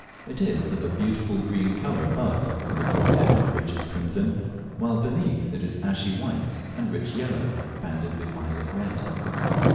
It is of a beautiful green colour above, with a forehead of the richest crimson, while beneath it is ashy white and rich yellow, banded with violet red.